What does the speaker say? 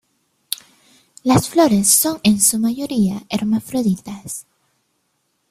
Las flores son en su mayoría hermafroditas.